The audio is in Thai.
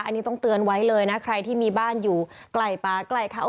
อันนี้ต้องเตือนไว้เลยนะใครที่มีบ้านอยู่ใกล้ป่าใกล้เขา